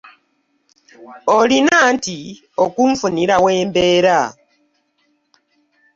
Olina anti okunfunira we mbeera.